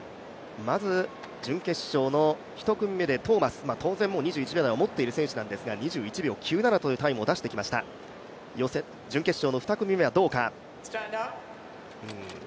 まず準決勝の１組目でトーマス、当然もう２１秒台を持っている選手なんですが、２１秒９７というタイムを出していました、準決勝の２組目はどうか？